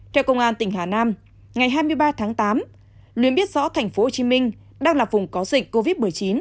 theo công an tỉnh hà nam ngày hai mươi ba tháng tám luyến biết rõ thành phố hồ chí minh đang là vùng có dịch covid một mươi chín